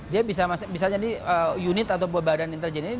dia bisa jadi unit atau badan intelijen ini